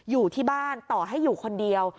อยู่ที่บ้านต่อให้อยู่คนเดียว